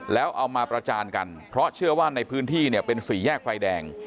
แล้วเอามาประจานกันเพราะเชื่อว่าในพื้นที่เนี่ยเป็นสี่แยกไฟแดง